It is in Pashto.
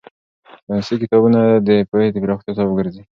ساينسي کتابونه د پوهې د پراختیا سبب ګرځي.